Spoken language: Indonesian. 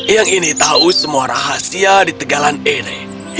yang ini tahu semua rahasia di tegalan ini